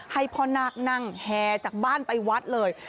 ให้พ่อนาคนั่งแห่จากบ้านไปวัดเลย